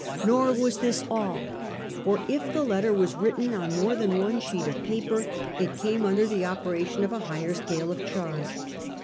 Nor was this all ; for if the letter were written on more than one sheet of paper, it came under the operation of a higher scale of charge.